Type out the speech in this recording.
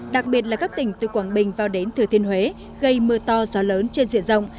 đặc biệt là các tỉnh từ quảng bình vào đến thừa thiên huế gây mưa to gió lớn trên diện rộng